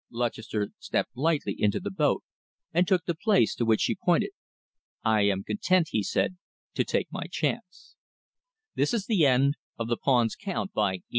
Lutchester stepped lightly into the boat and took the place to which she pointed. "I am content," he said, "to take my chance." THE END End of Project Gutenberg's The Pawns Count, by E.